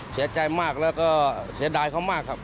เสียใจมากแล้วก็เสียดายเขามากครับ